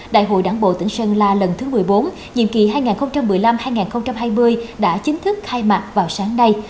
đại hội đảng bộ tỉnh sơn la lần thứ một mươi bốn nhiệm kỳ hai nghìn một mươi năm hai nghìn hai mươi đã chính thức khai mạc vào sáng nay